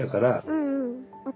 うん。